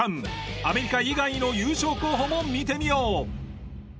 アメリカ以外の優勝候補も見てみよう。